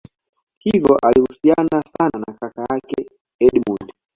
hivyo alihusiana sana na kaka yake edmund